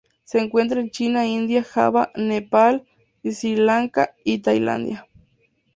Se encuentra en China, India, Java, Nepal, Sri Lanka y Tailandia.